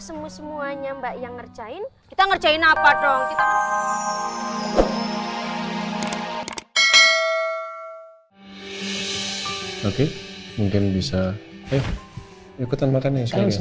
semuanya mbak yang ngerjain kita ngerjain apa dong kita mungkin bisa ikutan makan